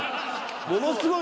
ものすごい